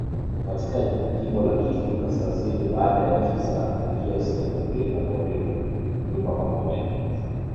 katika jimbo la Kivu kaskazini baada ya kiza kuingia siku ya Jumapili na kuharibu nyumba pamoja